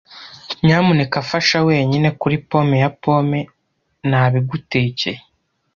Nyamuneka fasha wenyine kuri pome ya pome. Nabigutekeye.